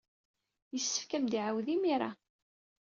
Yessefk ad am-d-iɛawed imir-a.